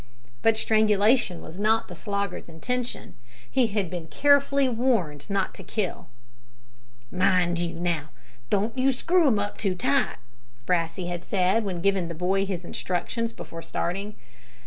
But strangulation was not the Slogger's intention. He had been carefully warned not to kill. "Mind, now, you don't screw 'im up too tight," Brassey had said, when giving the boy his instructions before starting.